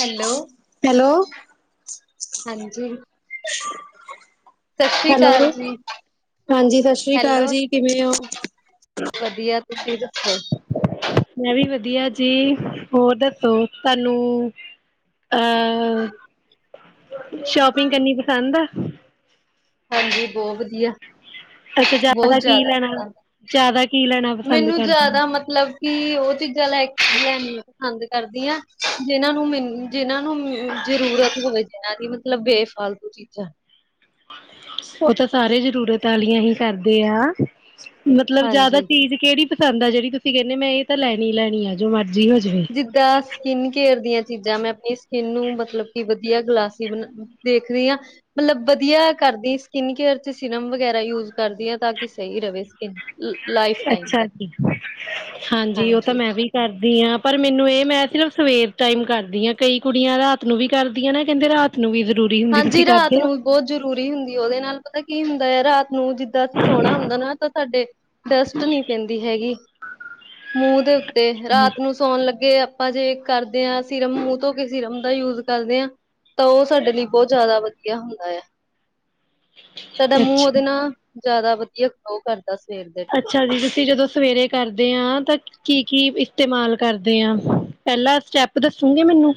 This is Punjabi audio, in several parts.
ਹੈਲੋ ਹੈਲੋ [inaudible] ਹਾਂਜੀ ਸਤਿ ਸ੍ਰੀ ਹੈਲੋ, ਅਕਾਲ ਜੀ ਹਾਂਜੀ ਸਤਿ ਸ੍ਰੀ ਹੈਲੋ ਅਕਾਲ ਜੀ ਕਿਵੇਂ ਹੋ ਵਧੀਆ ਤੁਸੀਂ ਦੱਸੋ ਮੈਂ ਵੀ ਵਧੀਆ ਜੀ, ਹੋਰ ਦੱਸੋ ਤੁਹਾਨੂੰ ਅਹ [inaudible] ਸ਼ੋਪਿੰਗ ਕਰਨੀ ਪਸੰਦ ਆ ਹਾਂਜੀ, ਬਹੁਤ ਵਧੀਆ ਅੱਛਾ ਬਹੁਤ ਕੀ ਜ਼ਿਆਦਾ ਲੈਣਾ ਪਸੰਦ, ਜ਼ਿਆਦਾ ਕੀ ਲੈਣਾ ਪਸੰਦ ਮੈਨੂੰ ਕਰਦੇ ਜ਼ਿਆਦਾ ਮਤਲਬ ਕਿ ਉਹ ਚੀਜ਼ਾਂ ਲੈ ਲੈਣੀਆਂ ਪਸੰਦ ਕਰਦੀਆਂ, ਜਿਹਨਾਂ ਨੂੰ ਮੈਨੂੰ ਜਿੰਨਾਂ ਨੂੰ ਜਰੂਰਤ ਹੋਵੇ, ਜਿੰਨਾਂ ਦੀ ਮਤਲਬ ਬੇਫਾਲਤੂ ਚੀਜ਼ਾਂ ਉਹ ਤਾਂ ਸਾਰੇ ਜ਼ਰੂਰਤ ਵਾਲੀਆਂ ਹੀ ਕਰਦੇ ਆ, ਮਤਲਬ ਜ਼ਿਆਦਾ ਹਾਂਜੀ ਚੀਜ਼ ਕਿਹੜੀ ਪਸੰਦ ਜਿਹੜੀ ਤੁਸੀਂ ਕਹਿੰਦੇ, ਮੈਂ ਇਹ ਤਾਂ ਲੈਣੀ ਹੀ ਲੈਣੀ ਆ ਜੋ ਮਰਜ਼ੀ ਹੋ ਜਾਵੇ ਜਿੱਦਾਂ ਸਕਿਨ ਕੇਅਰ ਦੀਆਂ ਚੀਜ਼ਾਂ ਮੈਂ ਆਪਣੀ ਸਕਿਨ ਨੂੰ ਮਤਲਬ ਕਿ ਵਧੀਆ ਗਲਾਸੀ ਬ ਦੇਖਦੀ ਹਾਂ, ਮਤਲਬ ਵਧੀਆ ਕਰਦੀ ਸਕਿਨ ਕੇਅਰ ਸਿਰਮ ਵਗੈਰਾ ਯੂਜ ਕਰਦੀ ਹ ਤਾਂ ਕਿ ਸਹੀ ਰਹੇ ਸਕਿਨ ਲਾਈਫ ਟਾਈਮ ਅੱਛਾ ਤੱਕ ਜੀ, ਹਾਂਜੀ ਉਹ ਤਾਂ ਮੈਂ ਵੀ ਕਰਦੀ ਆ ਪਰ ਮੈਨੂੰ ਏਹ ਮੈਂ ਸਿਰਫ ਸਵੇਰ ਟਾਈਮ ਕਰਦੀ ਆ। ਕਈ ਕੁੜੀਆਂ ਰਾਤ ਨੂੰ ਵੀ ਕਰਦੀਆਂ ਨੇ ਕਹਿੰਦੇ ਰਾਤ ਨੂੰ ਵੀ ਜ਼ਰੂਰੀ ਹੁੰਦੀ ਹਾਂਜੀ, ਤੁਸੀਂ ਰਾਤ ਕਰਦੇ ਹੋ ਨੂੰ। ਬਹੁਤ ਜ਼ਰੂਰੀ ਹੁੰਦੀ ਹੈ, ਉਹਦੇ ਨਾਲ ਪਤਾ ਕੀ ਹੁੰਦਾ ਹੈ ਰਾਤ ਨੂੰ ਜਿੱਦਾਂ ਅਸੀਂ ਸੋਣਾ ਹੁੰਦਾ ਨਾ, ਤਾਂ ਸਾਡੇ ਡਸਟ ਨਹੀਂ ਪੈਂਦੀ ਹੈਗੀ, ਮੂੰਹ ਦੇ ਉੱਤੇ ਰਾਤ ਨੂੰ ਸੌਣ ਲੱਗੇ ਆਪਾਂ ਜੇ ਕਰਦੇ ਹਾਂ ਸਿਰਮ, ਮੂੰਹ ਧੋ ਕੇ ਸਿਰਮ ਦਾ ਯੂਜ਼ ਕਰਦੇ ਹਾਂ। ਤਾਂ ਉਹ ਸਾਡੇ ਲਈ ਬਹੁਤ ਜ਼ਿਆਦਾ ਵਧੀਆ। ਵਧੀਆ ਹੁੰਦਾ ਆ, ਸਾਡਾ ਮੂੰਹ ਅੱਛਾ ਉਹਦੇ ਨਾਲ ਜ਼ਿਆਦਾ ਵਧੀਆ, ਗਲੋ ਕਰਦਾ। ਦੱਸ ਸਵੇਰ ਦੇ। ਟਾਈਮ। ਅੱਛਾ ਜੀ ਤੁਸੀਂ ਜਦੋਂ ਸਵੇਰੇ ਕਰਦੇ ਐ ਤਾਂ ਕੀ-ਕੀ ਇਸਤੇਮਾਲ ਕਰਦੇ ਆ, ਪਹਿਲਾਂ ਸਟੈਪ ਦੱਸੂਗੇ ਮੈਨੂੰ।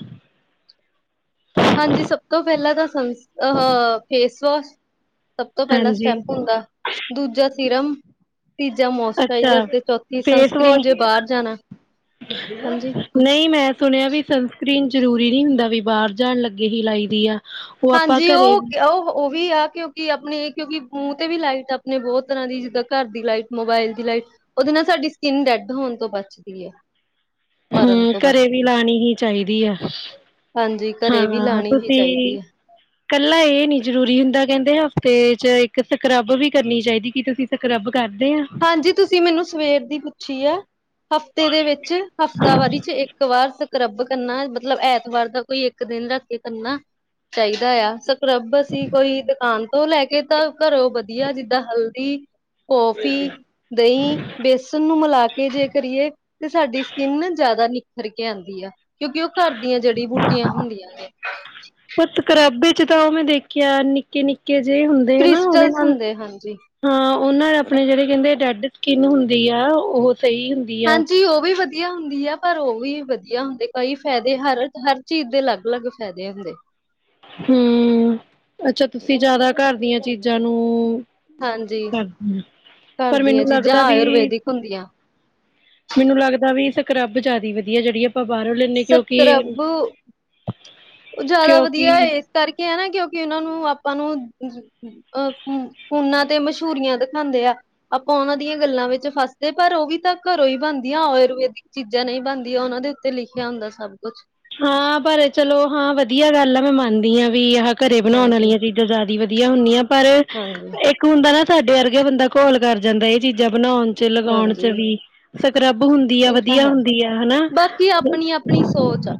ਹਾਂਜੀ ਸਭ ਤੋਂ ਪਹਿਲਾਂ ਤਾਂ ਅ ਫੇਸ ਵਾਸ਼ ਸਭ ਤੋਂ ਪਹਿਲਾ ਹਾਂਜੀ ਸਟੈਪ ਹੁੰਦਾ, ਦੂਜਾ ਸੀਰਮ ਤੀਜਾ ਮੋਸਚਰਾਈਜ਼ਰ ਅੱਛਾ ਤੇ ਚੌਥੀ ਫੇਸ ਸਨਸਕ੍ਰੀਮ ਵਾਸ਼ ਜੇ ਬਾਹਰ ਜਾਣਾ, ਹਾਂਜੀ ਨਹੀਂ ਮੈਂ ਸੁਣਿਆ ਵੀ ਸਨਸਕ੍ਰਰੀਨ ਜ਼ਰੂਰੀ ਨਹੀਂ ਹੁੰਦਾ ਵੀ ਬਾਹਰ ਜਾਣ ਲੱਗੇ ਹੀ ਲਾਈ ਦੀ ਆ ਉਹ ਆਪਾਂ ਹਾਂਜੀ ਘਰੇ ਉਹ, ਵੀ ਉਹ, ਉਹ ਵੀ ਆ ਕਿਉ ਕਿ ਆਪਣੇ ਕਿਉਂਕਿ ਮੂੰਹ ਤੇ ਵੀ ਲਾਈਟ ਆਪਣੇ ਬਹੁਤ ਤਰ੍ਹਾਂ ਦੀ ਜਿੱਦਾਂ ਘਰ ਦੀ ਲਾਈਟ, ਮੋਬਾਇਲ ਦੀ ਲਾਈਟ ਉਹਦੇ ਨਾਲ ਸਾਡੀ ਸਕਿੰਨ ਡੈਡ ਹੋਣ ਤੋਂ ਬਚਦੀ ਹੈ ਮਰਨ ਹਮ ਤੋਂ ਘਰੇ ਵੀ ਬਚਦੀ ਲਾਉਣੀ ਹੀ ਚਾਹੀਦੀ ਹੈ ਹਾਂਜੀ ਘਰੇ ਵੀ ਹਾਂ ਲਾਣੀ ਹੀ ਤੁਸੀਂ ਚਾਹੀਦੀ ਹੈ। ਇਕੱਲਾ ਇਹ ਨੀ ਜ਼ਰੂਰੀ ਹੁੰਦਾ ਕਹਿੰਦੇ ਹਫ਼ਤੇ ਚ ਇੱਕ ਸਕਰੱਬ ਵੀ ਕਰਨੀ ਚਾਹੀਦੀ ਕਿ ਤੁਸੀਂ ਸਕਰੱਬ ਕਰਦੇ ਆ ਹਾਂਜੀ, ਤੁਸੀਂ ਮੈਨੂੰ ਸਵੇਰ ਦੀ ਪੁੱਛੀ ਆ ਹਫ਼ਤੇ ਦੇ ਵਿੱਚ, ਹਫ਼ਤਾਵਾਰੀ 'ਚ ਇੱਕ ਵਾਰ ਸਕਰੱਬ ਕਰਨਾ ਮਤਲਬ ਐਤਵਾਰ ਦਾ ਕੋਈ ਇੱਕ ਦਿਨ ਰੱਖ ਕੇ ਕਰਨਾ, ਚਾਹੀਦਾ ਆ। ਸਕਰੱਬ ਅਸੀਂ ਕੋਈ ਦੁਕਾਨ ਤੋਂ ਲੈ ਕੇ ਤਾਂ ਘਰੋਂ ਵੱਧੀਆ ਜਿੱਦਾਂ ਹਲਦੀ ਕੌਫੀ਼, ਦਹੀਂ, ਬੇਸਣ ਨੂੰ ਮਿਲਾ ਕੇ ਜੇ ਕਰੀਏ। ਤੇ ਸਾਡੀ ਸਕਿਨ ਜ਼ਿਆਦਾ ਨਿਖਰ ਕੇ ਆਉਂਦੀ ਆ। ਕਿਉਂਕਿ ਉਹ ਘਰ ਦੀਆਂ ਜੜੀ ਬੂਟੀਆਂ ਹੁੰਦੀਆਂ ਨੇ। ਪਰ ਕਰਾਬੇ ਚ ਤਾਂ ਉਹ ਮੈਂ ਦੇਖਿਆ ਨਿੱਕੇ ਨਿੱਕੇ ਜੇ ਹੁੰਦੇ ਨਾ ਉਹਦੇ ਕ੍ਰਿਸਟਲਸ ਨਾਲ। ਹੁੰਦੇ ਹਾਂਜੀ ਹਾਂ ਉਹਨਾਂ ਆਪਣੇ ਜਿਹੜੇ ਕਹਿੰਦੇ ਡੈਡ ਸਕਿਨ ਹੁੰਦੀ ਆ ਉਹ ਸਹੀ ਹੁੰ ਹਾਂਜੀ ਉਹ ਵੀ ਵੱਧ ਵੱਧੀਆ ਹੁੰਦੀ ਆ ਪਰ ਉਹ ਵੀ ਵੱਧੀਆ ਹੁੰਦੇ ਕਈ ਫਾਇਦੇ ਹਰ-ਹਰ ਚੀਜ਼ ਦੇ ਅਲੱਗ-ਅਲੱਗ ਫਾਇਦੇ ਹੁੰਦੇ। ਹੂੰ ਅੱਛਾ ਤੁਸੀਂ ਜ਼ਿਆਦਾ ਘਰ ਦੀਆਂ ਚੀਜ਼ਾਂ ਨੂੰ ਹਾਂਜੀ [unintelligible] ਘਰ ਪਰ ਦੀਆਂ ਮੈਨੂੰ ਚੀਜ਼ਾਂ ਲੱਗਦਾ ਵੀ। ਆਯੁਰਵੈਦਿਕ ਹੁੰਦੀਆਂ। ਮੈਨੂੰ ਲੱਗਦਾ ਵੀ ਸਕ੍ਰੱਬ ਜ਼ਿਆਦਾ ਵੱਧੀਆ ਜਿਹੜੀ ਆਪਾਂ ਬਾਹਰੋਂ ਲੈਂਣੇ ਕਿਉਂਕਿ ਉਹ ਜ਼ਿਆਦਾ ਵੱਧੀਆ ਕਿਉਂਕਿ ਇਸ ਕਰਕੇ ਹੈ ਨਾ ਕਿਉਂਕਿ ਉਹਨਾਂ ਨੂੰ ਆਪਾਂ ਨੂੰ ਅਹ ਹੁੰ ਉਣਾ ਤੇ ਮਸ਼ਹੂਰੀਆਂ ਦਿਖਾਉਂਦੇ ਆ। ਆਪਾਂ ਉਹਨਾਂ ਦੀਆਂ ਗੱਲਾਂ ਵਿੱਚ ਫਸਦੇ ਪਰ ਉਹ ਵੀ ਤਾਂ ਘਰੋਂ ਹੀ ਬਣਦੀਆਂ ਆਯੁਰਵੇਦਿਕ ਚੀਜ਼ਾਂ ਨਹੀਂ ਬਣਦੀਆਂ ਉਹਨਾਂ ਦੇ ਉੱਤੇ ਲਿਖਿਆ ਹੁੰਦਾ ਸਭ ਕੁਛ। ਹਾਂ ਪਰ ਚਲੋ ਹਾਂ ਵੱਧੀਆ ਗੱਲ ਆ ਮੈਂ ਮੰਨਦੀ ਅ ਵੀ ਘਰੇ ਬਣਾਉਣ ਹਾਂਜੀ ਵਾਲੀਆਂ ਚੀਜ਼ਾਂ ਜ਼ਿਆਦਾ ਵਧੀਆ ਹੁੰਦੀਆਂ ਪਰ ਹਾਂਜੀ ਇੱਕ ਹੁੰਦਾ ਨਾ ਸਾਡੇ ਵਰਗੇ ਬੰਦਾ ਘੋਲ ਕਰ ਜਾਂਦਾ ਇਹ ਚੀਜ਼ਾਂ ਬਣਾਉਣ ਲਗਾਉਣ ਹਾਂਜੀ ਚ ਵੀ ਸਕ੍ਰੱਬ ਹੁੰਦੀ ਆ ਇਹ ਤਾਂ ਵੱਧੀਆ ਹੈ ਹੁੰਦੀ ਆ ਹਨਾ। [inaudible] ਬਾਕੀ ਆਪਣੀ ਆਪਣੀ ਸੋਚ ਆ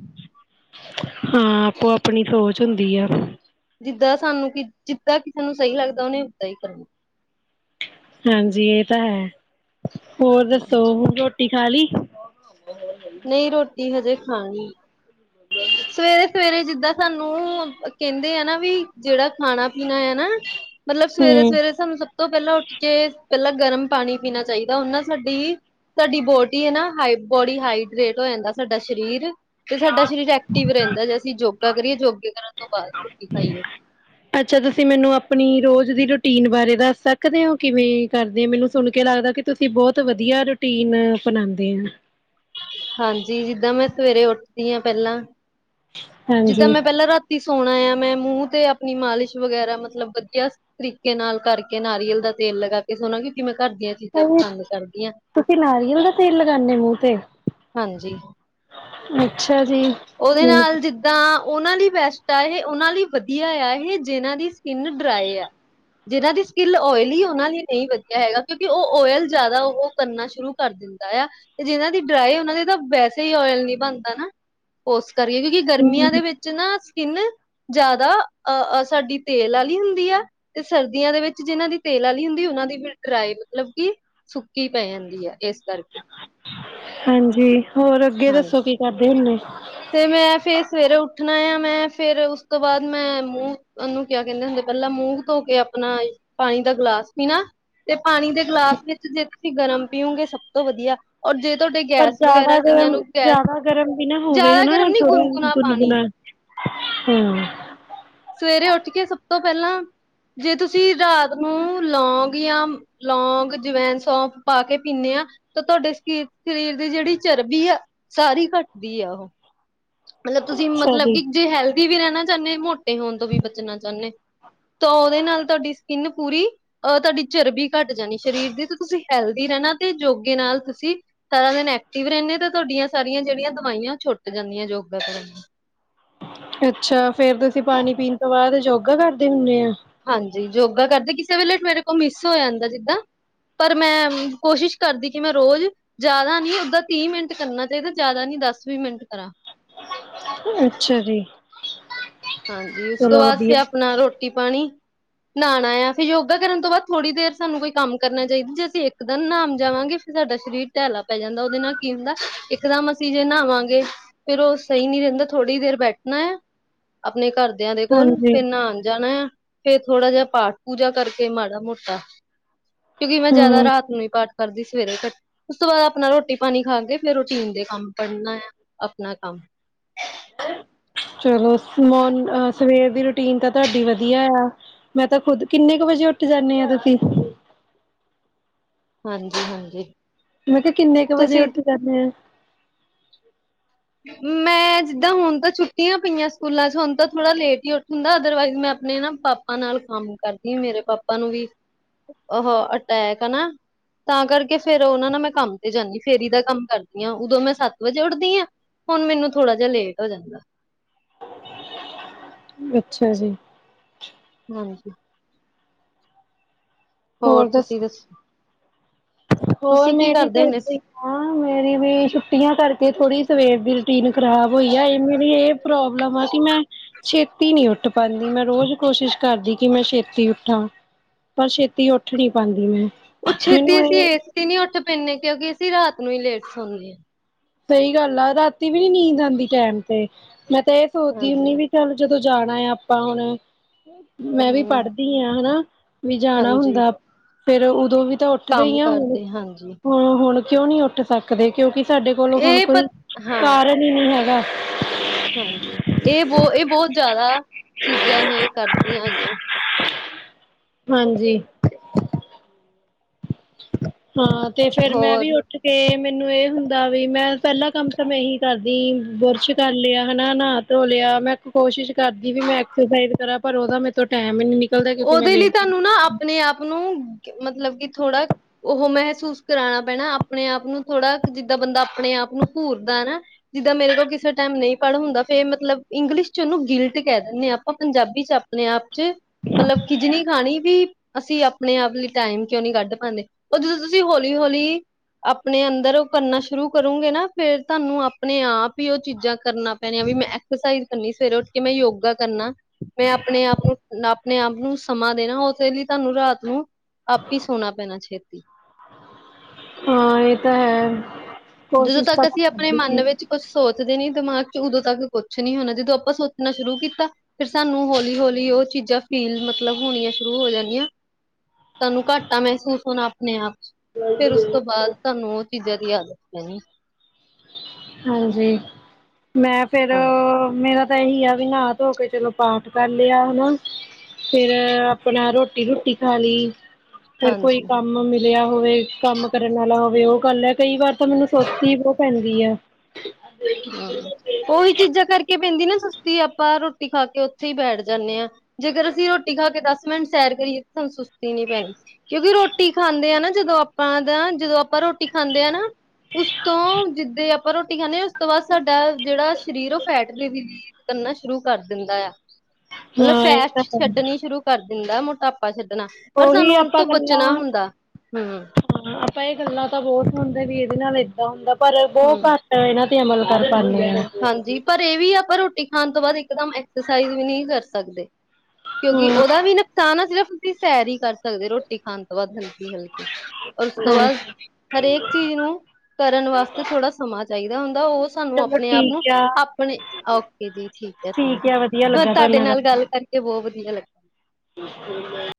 ਹਾਂ ਆਪੋ ਆਪਣੀ ਸੋਚ ਹੁੰਦੀ ਅ। ਜਿੱਦਾਂ ਸਾਨੂੰ ਕਿ ਜਿੱਦਾਂ ਕਿਸੇ ਨੂੰ ਸਹੀ ਲੱਗਦਾ ਉਹਨੇ ਉਦਾਂ ਹੀ ਕਰਨਾ। ਹਾਂਜੀ ਇਹ ਤਾਂ ਹੈ, ਹੋਰ ਹਾਂਜੀ ਦੱਸੋ ਰੋਟੀ ਖਾ ਲਈ। ਨਹੀਂ ਰੋਟੀ ਹਜੇ ਖਾਣੀ, ਸਵੇਰੇ-ਸਵੇਰੇ ਜਿੱਦਾਂ ਸਾਨੂੰ ਕਹਿੰਦੇ ਆ ਨਾ ਵੀ ਜਿਹੜਾ ਖਾਣਾ ਪੀਣਾ ਅ ਨਾ ਮਤਲਬ ਹਮ ਸਵੇਰੇ-ਸਵੇਰੇ ਸਾਨੂੰ ਸਭ ਤੋਂ ਪਹਿਲਾਂ ਉੱਠ ਕੇ ਪਹਿਲਾਂ ਗਰਮ ਪਾਣੀ ਪੀਣਾ ਚਾਹੀਦਾ ਉਹ ਨਾਲ ਸਾਡੀ ਸਾਡੀ ਬੋਡੀ ਹੇ ਨਾ ਹਾਈ ਬੋਡੀ ਹਾਈਡਰੇਟ ਹੋ ਜਾਂਦਾ ਸਾਡਾ ਸਰੀਰ ਤੇ ਸਾਡਾ ਸਰੀਰ ਐਕਟਿਵ ਰਹਿੰਦਾ, ਜੇ ਅਸੀਂ ਯੋਗਾ ਕਰੀਏ ਯੋਗੇ ਕਰਨ ਤੋਂ ਬਾਅਦ ਰੋਟੀ ਖਾਈਏ। ਅੱਛਾ ਤੁਸੀਂ ਮੈਨੂੰ ਆਪਣੀ ਰੋਜ਼ ਦੀ ਰੂਟੀਨ ਬਾਰੇ ਦੱਸ ਸੱਕਦੇ ਹੋ, ਕਿਵੇਂ ਕਰਦੇ ਹੋ ਮੈਨੂੰ ਸੁਣ ਕੇ ਲੱਗਦਾ ਕਿ ਤੁਸੀਂ, ਬਹੁਤ ਵਧੀਆ ਰੋਟੀਨ ਬਣਾਉਂਦੇ ਆ ਹਾਂਜੀ, ਜਿੱਦਾਂ ਮੈਂ ਸਵੇਰੇ ਉੱਠਦੀ ਹਾਂ, ਪਹਿਲਾਂ ਜਿੱਦਾਂ ਮੈਂ, ਹਾਂਜੀ ਪਹਿਲਾਂ ਰਾਤੀ ਸੋਣਾ ਆ, ਮੈਂ ਮੂੰਹ ਤੇ ਆਪਣੀ ਮਾਲਿਸ਼ ਵਗੈਰਾ, ਮਤਲਬ ਵਧੀਆ ਤਰੀਕੇ ਨਾਲ ਕਰਕੇ, ਨਾਰੀਅਲ ਦਾ ਤੇਲ ਲਗਾ ਕੇ ਸੋਣਾ ਜਿਵੇ, ਘਰ ਦੀਆਂ ਚੀਜ਼ਾਂ ਪਸੰਦ ਕਰਦੀ ਹਾਂ। ਤੁਸੀਂ ਨਾਰੀਅਲ ਦਾ ਤੇਲ, ਲਗਾਉਂਦੇ ਮੂੰਹ ਤੇ ਹਾਂਜੀ ਅੱਛਾ, ਜੀ ਉਹਦੇ ਮੈਨੂੰ ਪ ਨਾਲ ਜਿੱ ਤਾਂ ਉਹਨਾਂ ਲਈ ਬੈਸਟ ਆ ਇਹ ਉਹਨਾਂ ਲਈ ਵਧੀਆ ਆ ਇਹ ਜਿਨਾਂ ਦੀ ਸਕਿਨ ਡਰਾਏ ਆ ਜਿਹਨਾਂ ਦੀ ਸਕਿਲ ਓਇਲੀ ਉਹਨਾਂ ਲਈ ਨਹੀਂ ਵੱਧੀਆ ਹੈਗਾ, ਕਿਉਂਕਿ ਉਹ ਓਇਲ ਜ਼ਿਆਦਾ ਉਹ-ਉਹ ਕਰਨਾ ਸ਼ੁਰੂ ਕਰਦੇ ਦਯਾ, ਜਿਹਨਾਂ ਦੀ ਡਰਾਈ ਉਹਨਾਂ ਦੇ ਤਾਂ ਵੈਸੇ ਹੀ ਓਇਲ ਨਹੀਂ ਬਣਦਾ ਨਾ। ਓਰਸ ਕਰ ਰਹੀਏ, ਕਿਉਂਕਿ ਗਰਮੀਆਂ ਦੇ ਵਿੱਚ ਨਾ ਸਕਿਨ ਜ਼ਿਆਦਾ ਅਹ ਅ ਸਾਡੀ ਤੇਲ ਵਾਲੀ ਹੁੰਦੀ ਏ। ਤੇ ਸਰਦੀਆਂ ਦੇ ਵਿੱਚ ਜਿਹਨਾਂ ਦੀ ਤੇਲ ਆਲੀ ਹੁੰਦੀ ਉਹਨਾਂ ਦੀ ਫਿਰ ਡਰਾਈ ਮਤਲਬ ਕਿ ਸੁੱਕੀ ਪੈ ਜਾਂਦੀ ਹੈ ਇਸ ਕਰਕੇ। ਜੀ, ਹੋਰ ਅੱਗੇ ਹਾਂਜੀ। ਦੱਸੋ ਕੀ ਕਰਦੇ ਹੁਣੇ? ਤੇ ਮੈਂ ਫਿਰ ਸਵੇਰੇ ਉੱਠਣਾ ਆ ਮੈਂ ਫਿਰ ਉਸ ਤੋਂ ਬਾਅਦ ਮੈਂ ਮੂੰਹ ਉਹਨੂੰ ਕਿਆ ਕਹਿੰਦੇ ਹੁੰਦੇ ਪਹਿਲਾਂ ਮੂੰਹ ਧੋ ਕੇ ਆਪਣਾ ਪਾਣੀ ਦਾ ਗਿਲਾਸ ਪੀਣਾ। ਤੇ ਪਾਣੀ ਦੇ ਗਲਾਸ ਵਿੱਚ ਜੇ ਤੁਸੀਂ ਗਰਮ ਪੀਓਗੇ ਸਭ ਤੋਂ ਵੱਧੀਆ ਔਰ ਜੇ ਤੁਹਾਡੇ ਪਰ ਗੈਸ ਜ਼ਿਆਦਾ ਵਗੈਰਾ ਕਈਆਂ ਗਰਮ ਨੂੰ ਗੈਸ ਜਿਆਦਾ ਗਰਮ ਵੀ ਨਾ ਹੋਵੇ ਜ਼ਿਆਦਾ ਹਨਾ ਗਰਮ ਨੀ ਥੋੜਾ ਪਾਣੀ ਗੁਨਗੁਣਾ। ਹਮ [inaudible] ਸਵੇਰੇ ਉੱਠ ਕੇ ਸਭ ਤੋਂ ਪਹਿਲਾਂ ਜੇ ਤੁਸੀਂ ਰਾਤ ਨੂੰ ਲੌਂਗ ਜਾਂ ਲੌਂਗ, ਜਵੈਨ, ਸੌਂਫ, ਪਾ ਕੇ ਪੀਣੇ ਹਾਂ ਤਾਂ ਤੁਹਾਡੇ, ਸਰੀਰ ਦੀ ਜਿਹੜੀ ਚਰਬੀ ਸਾਰੀ ਘੱਟਦੀ ਆ ਉਹ ਮਤਲਬ ਤੁਸੀਂ, ਅੱਛਾ ਮਤਲਬ ਜੀ। ਕਿ ਜੇ ਹੈਲਦੀ ਵੀ ਰਹਿਨਾ ਚਾਹਨੇ ਹੋ, ਮ [unintelligible] ਤੇ ਹੋਨ ਤੋਂ ਵੀ ਬਚਨਾ ਚਾਹਨੇ, ਤਾਂ ਉਹਦੇ ਨਾਲ ਤੁਹਾਡੀ ਸਕਿੰਨ ਪੂਰੀ ਅਹ ਤੁਹਾਡੀ ਚਰਬੀ ਘੱਟ ਜਾਨੀ, ਸ਼ਰੀਰ ਦੀ ਤੇ ਤੁਸੀਂ ਹੈਲਦੀ ਰਹਿਨਾ, ਤੇ ਯੋਗੇ ਨਾਲ ਤੁਸੀਂ ਸਾਰਾ ਦਿਨ ਐਕਟਿਵ ਰਹਿਨੇ ਆ, ਤੇ ਤੁਹਾਡੀਆਂ ਸਾਰੀਆਂ ਜੇਹੜੀਆਂ ਦਵਾਈਆਂ, ਛੁੱਟ ਜਾਂਨੀਆਂ ਯੋਗਾ ਕਰਨ ਨਾ ਅੱਛਾ ਫੇਰ, ਤੁਸੀਂ ਪਾਨੀ ਪੀਨ ਤੋਂ ਬਾਅਦ, ਯੋਗਾ ਕਰਦੇ ਹੁੰਨੇ ਆ ਹਾਂਜੀ, ਯੋਗਾ ਕਰਦੇ, ਕਿਸੇ ਵੇਲੇ ਮੇਰੇ ਕੋਲ ਮਿਸ ਹੋ ਜਾਂਦਾ ਜਿੱਦਾਂ ਪਰ ਮੈਂ, ਕੋਸ਼ਿਸ਼ ਕਰਦੀ ਕਿ ਮੈਂ ਰੋਜ਼ ਜ਼ਿਆਦਾ ਨੀ, ਓਦਾਂ ਤੀਹ ਮਿੰਟ ਕਰਨਾ ਚਾਹੀਦਾ, ਜ਼ਿਆਦਾ ਨੀ ਦਸ ਵੀਹ ਮਿੰਟ ਕਰਾ ਅੱਛਾ ਜੀ ਹਾਂਜੀ, ਉਸ ਤੋਂ ਚਲੋ ਬਾਅਦ ਵਧੀਆ ਫਿਰ ਅਪਨਾ, ਰੋਟੀ ਪਾਣੀ ਨਹਾਣਾ ਆ ਫਿਰ, ਯੋਗਾ ਕਰਨ ਤੋਂ ਬਾਅਦ, ਥੋੜੀ ਦੇਰ ਸਾਨੂੰ ਕੋਈ ਕੰਮ ਕਰਨਾ ਚਾਹੀਦਾ। ਜੇ ਅਸੀਂ ਇੱਕ ਦਿਨ ਨਾਨ ਜਾਵਾਂਗੇ ਸਾਡਾ ਸ਼ਰੀਰ ਢੈਲਾ ਪੈ ਜਾਂਦਾ, ਉਹਦੇ ਨਾਲ ਕੀ ਹੁੰਦਾ, ਇੱਕ ਦਮ ਅਸੀਂ ਜੇ ਨਾਵਾਂਗੇ ਫੇਰ ਉਹ ਸਹੀ ਨੀ ਰਹਿੰਦਾ, ਥੋੜ੍ਹੀ ਦੇਰ ਬੈਠਨਾ ਏ ਅਪਨੇ ਘਰਦਿਆਂ ਦੇ ਕੋਲ, ਹਾਂਜੀ ਫਿਰ ਨਾਨ ਜਾਨਾ ਆ ਫੇਰ ਥੋੜਾ ਜਿਹਾ, ਪਾਠ ਪੂਜਾ ਕਰਕੇ ਮਾੜਾ ਮੋਟਾ, ਕਿਉਂਕਿ, ਮੈਂ ਜਿਆਦਾ ਹੂੰ। ਰਾਤ ਨੂੰ, ਹੀ ਪਾਠ ਕਰਦੀ ਸਵੇਰੇ ਫਿਰ, ਉਸ ਤੋਂ ਬਾਅਦ ਅਪਨਾ ਰੋਟੀ ਪਾਨੀ ਖਾ ਕੇ, ਫੇਰ ਰੋਟੀਨ ਦੇ ਕੰਮ ਕਰਨਾ ਆ ਅਪਨਾ ਕੰਮ [inaudible] ਚਲੋ, ਸਵੇਰ ਦੀ ਰੋਟੀਨ ਤਾਂ ਤਹਾਡੀ ਮੈਂ ਤਾਂ ਖੁਦ, ਕਿੰਨੇ ਕੁ ਵਜੇ ਉੱਠ ਜਾਂਨੇ ਆ ਤੁਸੀਂ? ਹਾਂਜੀ ਹਾਂਜੀ ਮੈਂ ਕਿਹਾ, ਕਿੰਨੇ ਕੁ ਵਜੇ ਤੁਸੀਂ ਉੱਠ ਜਾਨੇ ਆ? ਮੈਂ ਜਿੱਦਾਂ ਹੁਨ ਤਾਂ ਛੁੱਟੀਆਂ ਪਈਆਂ ਸਕੂਲਾਂ ਚ, ਹੁਣ ਤਾਂ ਥੋੜਾ ਲੇਟ ਹੀ ਉਠ ਹੁੰਦਾ, ਅਦਰਵਾਈਜ਼ ਮੈਂ ਆਪਣੇ ਨਾ ਪ ਪਾਪਾ ਨਾਲ ਕੰਮ ਕਰਦੀ ਆ, ਮੇਰੇ ਪਾਪਾ ਨੂੰ ਵੀ ਅਹ ਅਟੈਕ, ਹੈ ਨਾ ਤਾਂ ਕਰਕੇ ਫੇਰ ਉਹਨਾ ਨਾਲ ਮੈਂ ਕੰਮ ਤੇ ਜਾਨੀ, ਫੇਰੀ ਦਾ ਕੰਮ ਕਰਦੀ ਹਾਂ, ਉਦੋਂ ਮੈਂ ਸੱਤ ਵਜੇ ਉੱਠਦੀ ਹਾਂ ਹੁਨ ਮੈਨੂੰ ਥੋੜਾ ਜਿਹਾ ਲੇਟ ਹੋ ਜਾਂਦਾ ਅੱਛਾ ਜੀ ਹਾਂਜੀ ਹੋਰ ਤੁਸੀਂ ਦਸੋ? ਹੋਰ ਤੁਸੀਂ ਕੀ ਮੇਰੀ ਤੇ ਕਰਦੇ ਹੁੰਦੇ? ਏਦਾਂ ਹੀ ਆ ਮੇਰੀ ਵੀ ਛੁੱਟੀਆਂ ਕਰਕੇ ਥੋੜੀ ਸਵੇਰ ਦੀ ਰੁਟੀਨ ਖਰਾਬ ਹੋਈ ਆ, ਇਹ ਮੇਰੀ ਇਹ ਪ੍ਰੋਬਲਮ ਆ ਕਿ ਮੈਂ ਛੇਤੀ ਨੀ ਉੱਠ ਪਾਂਦੀ ਮੈਂ ਰੋਜ਼ ਕੋਸ਼ਿਸ਼ ਕਰਦੀ ਕਿ ਮੈਂ ਛੇਤੀ ਉਠਾ ਪਰ ਛੇਤੀ ਉੱਠ ਨੀ ਪਾਂਦੀ ਮੈ ਉਹ ਛੇਤੀ ਅਸੀਂ ਏਸੀ ਨਹੀਂ ਉੱਠ ਪੈਂਦੇ ਕਿਉਂਕਿ ਅਸੀਂ ਰਾਤ ਨੂੰ ਹੀ ਲੇਟ ਸੋਨੇ ਆ ਸਹੀ ਗੱਲ ਆ, ਰਾਤੀ ਵੀ ਨਹੀਂ ਨੀਂਦ ਆਂਦੀ ਟੈਮ ਤੇ ਮੈਂ ਤਾਂ ਇਹ ਹਾਂ ਸੋਚਦੀ ਹੁੰਦੀ ਹਾਂਜੀ ਵੀ ਚਲ ਜਦੋਂ ਜਾਣਾ ਆ ਆਪਾਂ ਹੁਣ ਮੈਂ ਵੀ ਹਮ ਪੜ੍ਹਦੀ ਹਾਂ, ਹੇਨਾ ਵੀ ਜਾਣਾ ਹਾਂਜੀ ਹੁੰਦਾ ਫੇਰ ਉਦੋਂ ਵੀ ਤਾਂ ਉ ਉੱਠਦੇ ਕੰਮ ਈ ਆ ਹੁਣ ਕਰਦੇ ਹਾਂਜੀ ਹ, ਹੁਣ ਕਿਉਂ ਨੀ ਉੱਠ ਸਕਦੇ, ਕਿਉਂਕਿ, ਸਾਡੇ ਕੋਲੋ ਹੁਣ ਇਹ ਪ ਕੋਈ, ਹਾਂ ਕਾਰਨ ਹੀ ਨੀ ਹੈਗਾ ਹਾਂਜੀ, ਇਹ ਬਹੁ ਇਹ, ਬਹੁਤ ਜ਼ਿਆਦਾ ਚੀਜ਼ਾਂ ਇਹ ਕਰਦੀਆਂ, ਹੈਗੀਆਂ ਹਾਂਜੀ, ਹਾ ਤੇ ਫੇਰ ਮੈਂ ਵੀ ਹੋਰ ੳਠ ਤੇ ਮੈਨੂੰ ਇਹ ਹੁੰਦਾ ਵੀ, ਮੈਂ ਪਹਿਲਾ ਕੰਮ ਤਾਂ ਏਹੀ ਕਰਦੀ ਬੁਰਸ਼ ਕਰ ਲਿਆ, ਹੇਨਾ ਨਾ ਕੇ ਧੋ ਲਿਆ ਮੈਂ ਕੋਸ਼ਿਸ਼ ਕਰਦੀ ਵੀ ਮੈਂ ਐਕਸਸਾਈਜ਼ ਕਰਾਂ, ਪਰ ਉਹਦਾ ਮੇਰੇ ਤੋਂ ਟਾਈਮ ਹੀ ਨੀ ਨਿਕਲਦਾ, ਕਿਉਂਕਿ ਮੈਂ ਲੇਟ ਉ, ਨਾ ਅਪਨੇ ਆਪ ਨੂੰ ਮਤਲਬ ਕਿ ਥੋੜ੍ਹਾ ਉਹ ਮਹਿਸੂਸ ਕਰਾਣਾ ਪੈਣਾ ਆਪਣੇ ਆਪ ਨੂੰ ਥੋੜਾ ਜਿੱਦਾਂ ਬੰਦਾ, ਆਪਣੇ ਆਪ ਨੂੰ ਘੂਰਦਾ ਨਾ ਜਿੱਦਾਂ ਮੇਰੇ ਕੋਲ ਕਿਸੇ ਟਾਈਮ ਨਹੀਂ ਪੜ੍ਹ ਹੁੰਦਾ, ਫੇਰ ਮਤਲਬ ਇੰਗਲਿਸ਼ ਚ ਉਹਨੂੰ ਗੀਲਟ ਕਹਿ ਦਿੰਦੇ ਆ ਆਪਾਂ ਪੰਜਾਬੀ ਚ ਆਪ ਅਪਨੇ ਆਪ ਚ ਮਤਲਬ ਖਿਜਨੀ ਖਾਣੀ ਵੀ ਅਸੀਂ ਅਪਨੇ ਆਪ ਲਈ ਟਾਈਮ ਕਿਉਂ ਨਹੀਂ ਕੱਢ ਪਾਂਦੇ ਉਹ ਜਦੋਂ ਤੁਸੀਂ ਹੌਲੀ ਹੌਲੀ ਅਪਨੇ ਅੰਦਰ ਉਹ ਭਰਨਾ ਸ਼ੁਰੂ ਕਰੋਗੇ ਨਾ ਫਿਰ ਤਾਹਨੂੰ ਅਪਣੇ ਆਪ ਹੀ ਉਹ ਚੀਜ਼ਾਂ ਕਰਨਾ ਪੈਣੇ ਆ ਵੀ ਮੈਂ ਐਕਸਰਸਾਈਜ਼ ਕਰਨੀ ਸਵੇਰੇ ਉੱਠ ਕੇ, ਮੈਂ ਯੋਗਾ ਕਰਨਾ ਮੈਂ ਅਪਣੇ ਆਪ ਨੂੰ ਆਪਣੇ ਆਪ ਨੂੰ ਸਮਾਂ ਦੇਣਾ ਉਦੇ ਲਈ ਤੁਹਾਨੂੰ ਰਾਤ ਨੂੰ ਹਾਂ ਇਹ ਤਾਂ ਹੈ ਜਦੋਂ ਕੋਸ਼ਿਸ਼ ਤੱਕ ਤਾਂ ਮੈਂ ਅਸੀਂ ਆਪਣੇ ਕਰਦੀ ਮਨ ਸੀ ਵਿੱਚ ਉਹ ਸੋਚਦੇ ਨੀ ਦਿਮਾਗ ਚ ਉਦੋਂ ਤੱਕ ਕੁਛ ਨਹੀਂ ਹੋਣਾ ਜਦੋਂ ਆਪਾਂ ਸੋਚਣਾ ਸ਼ੁਰੂ ਕੀਤਾ ਫਿਰ ਸਾਨੂੰ ਹੌਲੀ ਹੌਲੀ ਉਹ ਚੀਜ਼ਾਂ ਫੀਲ ਮਤਲਬ ਹੋਣੀਆਂ ਸ਼ੁਰੂ ਹੋ ਜਾਣੀਆਂ ਤੁਹਾਨੂੰ ਘਾਟਾ ਮਹਿਸੂਸ ਹੋਣਾ ਆਪਣੇ ਆਪ ਚ ਫਿਰ ਉਸ ਤੋਂ ਬਾਅਦ ਤੁਹਾਨੂੰ ਚੀਜ਼ਾਂ ਦੀ ਯਾਦਸ ਨਹੀਂ ਹਾਂਜੀ ਮੈਂ ਫਿਰ ਮੇਰਾ ਤਾਂਹੀ ਆ ਵੀ ਨਹਾ ਧੋ ਕੇ ਤੈਨੂੰ ਪਾਠ ਕਰ ਲਿਆ ਹਨਾ ਫਿਰ ਆਪਣਾ ਰੋਟੀ ਰੋਟੀ ਖਾ ਲਈ ਫਿਰ ਕੋਈ ਹਾਂਜੀ-ਹਾਂਜੀ। ਮਿਲਿਆ ਹੋਵੇ ਕੰਮ ਕਰਨ ਵਾਲਾ ਹੋਵੇ ਉਹ ਗੱਲ ਹ ਕਈ ਵਾਰ ਤਾਂ ਮੈਨੂੰ ਸੋਚੀ ਪੈਂਦੀ ਹਾਂ ਉਹੀ ਚੀਜ਼ਾਂ ਕਰਕੇ ਪੈਂਦੀ ਨਾ ਸੁਸਤੀ ਆਪਾਂ ਰੋਟੀ ਖਾ ਕੇ ਉਥੇ ਹੀ ਬੈਠ ਜਾਦੇ ਆ ਜੇਕਰ ਅਸੀਂ ਰੋਟੀ ਖਾ ਕੇ ਦਸ ਮਿੰਟ ਸੈਰ ਕਰੀਏ ਤੁਹਾਨੂੰ ਸੁਸਤੀ ਨਹੀਂ ਪੈਣੀ ਕਿਉਂਕਿ ਰੋਟੀ ਖਾਂਦੇ ਆ ਨਾ ਜਦੋਂ ਆਪਾਂ ਨਾ ਜਦੋਂ ਆਪਾਂ ਰੋਟੀ ਖਾਂਦੇ ਆ ਨਾ ਉਸ ਤੋਂ ਜਿੱਦੇ ਆਪਾਂ ਰੋਟੀ ਖਾਂਦੇ ਆ ਤੋਂ ਬਾਅਦ ਸਾਡਾ ਜਿਹੜਾ ਸਰੀਰ ਓਫੈਟ ਦੇ ਵੀ ਕਰਨਾ ਸ਼ੁਰੂ ਕਰ ਦਿੰਦਾ ਆ ਮਤਲਬ ਹਾਂ ਇਹ ਤਾਂ ਫੈਚ ਹੈ ਛੱਡਣੀ ਸ਼ੁਰੂ ਕਰ ਦਿੰਦਾ ਮੋਟਾਪਾ ਛੱਡਣਾ ਪਰ ਉਹੀ ਸਾਨੂੰ ਹੁਣ ਆਪਾਂ ਤੋਂ ਗੱਲਾਂ ਬਚਣਾ ਹੁੰਦਾ ਆਪਾਂ ਇਹ ਗੱਲਾਂ ਤਾਂ ਵੋਟ ਪਾਉਂਦੇ ਵੀ ਇਹਦੇ ਨਾਲ ਇਦਾਂ ਹੁੰਦਾ ਪਰ ਬਹੁਤ ਹਮ ਘੱਟ ਇਹਨਾਂ ਤੇ ਅਮਲ ਕਰ ਪਾਉਦੀ ਹਾਂਜੀ ਪਰ ਇਹ ਵੀ ਆ ਪਰ ਰੋਟੀ ਖਾਣ ਤੋਂ ਬਾਅਦ ਇਕਦਮ ਐਕਸਰਸਾਈਜ਼ ਵੀ ਨਹੀਂ ਕਰ ਸਕਦੇ ਕਿਉਂਕਿ ਹਮ ਉਹਦਾ ਵੀ ਨੁਕਸਾਨ ਆ ਸਿਰਫ ਦੀ ਸੈਰ ਹੀ ਕਰ ਸਕਦੇ ਰੋਟੀ ਖਾਣ ਤੋਂ ਬਾਅਦ ਉਸ ਤੋਂ ਬਾਅਦ ਹਾਂਜੀ ਹਰੇਕ ਚੀਜ਼ ਕਰਨ ਵਾਸਤੇ ਥੋੜਾ ਸਮਾਂ ਚਾਹੀਦਾ ਹੁੰਦਾ ਉਹ ਸਾਨੂੰ ਚਲੋ ਆਪਣੇ ਆਪ ਨੂੰ ਠੀਕ ਆ ਆਪਣੇ ਓਕੇ ਜੀ ਠੀਕ ਹ ਥੈਂਕ ਯੂ ਤੁਹਾਡੇ ਨਾਲ ਗੱਲ ਕਰਕੇ ਬਹੁਤ ਵਧੀਆ ਲੱਗੀ ਤੁਸ ਔ ਲੇਈ